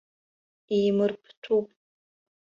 Еимырптәуп!